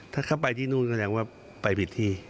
ถ้าเข้าไปที่นู่นแสดงว่าไปผิดที่